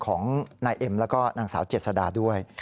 ของนายเอ็มแล้วก็นางสาวเจษดาด้วย